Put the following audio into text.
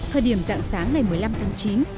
thời điểm dạng sáng ngày một mươi năm tháng chín